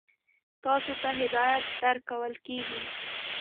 تاسې ته هدایت درکول کیږي.